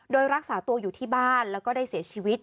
โดยรักษาตัวอยู่ที่บ้านแล้วก็ได้เสียชีวิต